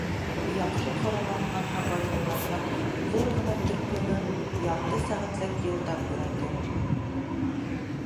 Яҡшы ҡоралланған һыбайлыларҙың ҙур ғына төркөмө ярты сәғәтлек юлда күренде.